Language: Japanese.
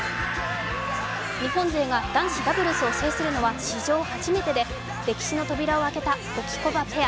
日本勢が男子ダブルスを制するのは史上初めてで、歴史の扉を開けたホキコパペア。